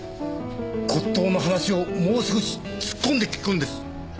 骨董の話をもう少し突っ込んで聞くんです。